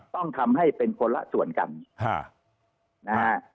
ต้องทำให้เป็นคนละส่วนกันนะฮะ